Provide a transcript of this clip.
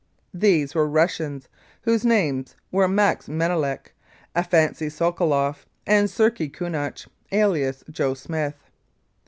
These were Russians, whose names were Max Manelek, Afancy Sokoloff and Serkey Konuch, alias u joe Smith."